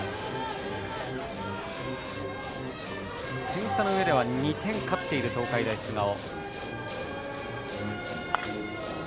点差のうえでは２点勝っている東海大菅生。